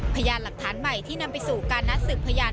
พยานหลักฐานใหม่ที่นำไปสู่การนัดสืบพยาน